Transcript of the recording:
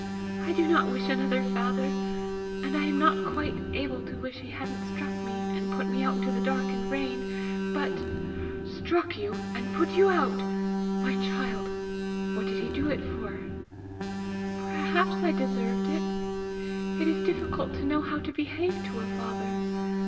"I do not wish another father; and I am not quite able to wish he hadn't struck me and put me out into the dark and the rain, but " "Struck you and put you out! My child! What did he do it for?" "Perhaps I deserved it: it is difficult to know how to behave to a father!